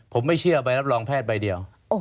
ผมไม่เชื่อใบรับรองแพทย์ใบเดียว